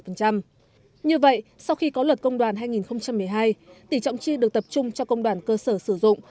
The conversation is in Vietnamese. như vậy sau khi có luật công đoàn hai nghìn một mươi hai tỷ trọng chi được tập trung cho công đoàn cơ sở sử dụng